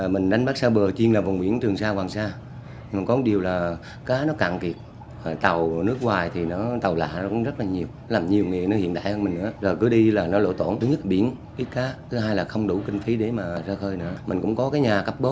mình đánh bắt xa bờ